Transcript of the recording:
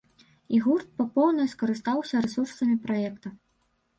І гурт па поўнай скарыстаўся рэсурсамі праекта.